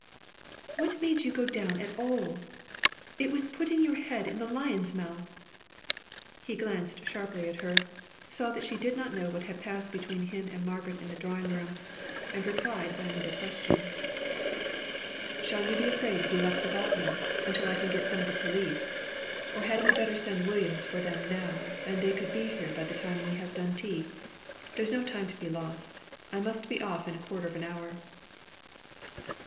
"What made you go down at all? It was putting your head into the lion's mouth!" He glanced sharply at her; saw that she did not know what had passed between him and Margaret in the drawing room: and replied by another question: "Shall you be afraid to be left without me, until I can get some of the police; or had we better send Williams for them now, and they could be here by the time we have done tea? There's no time to be lost. I must be off in a quarter of an hour."